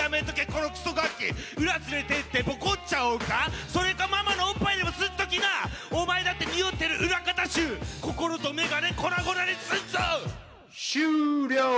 このクソガキ裏連れてってボコっちゃおうかそれかママのおっぱいでも吸っときなお前だってにおってる裏方臭心とメガネ粉々にすんぞ終了